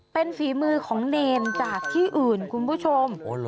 เป็นฝีมือของเนรจากที่อื่นคุณผู้ชม